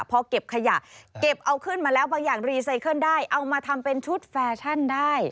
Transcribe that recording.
พอเก็บขยะเก็บเอาขึ้นมาแล้วบางอย่างรีไซเคิลได้เอามาทำเป็นชุดแฟชั่นได้